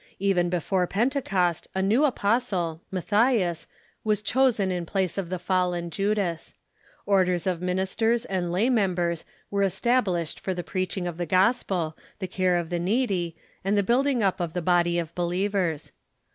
Even before Pente cost a new apostle, Matthias, was chosen in place of the fallen Judas. Orders of ministers and lay members were estab lished for the preaching of the gospel, the care of the need}', and the building up of the body of believers.